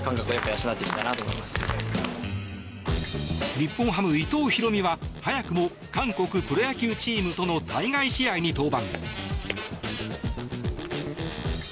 日本ハム、伊藤大海は早くも韓国プロ野球チームとの対外試合に登板。